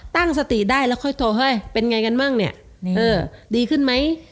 ตั้งสติได้แล้วแบบเฮ้ยเป็นยังไงกันมากดีขึ้นไหม